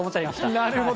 なるほど。